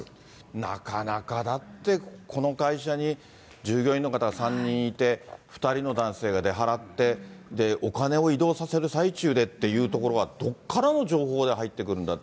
なかなかだって、この会社に従業員の方が３人いて、２人の男性が出払って、お金を移動させる最中でっていうところは、どこからの情報で入ってくるんだって。